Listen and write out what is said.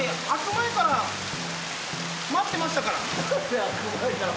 開く前から待ってましたから。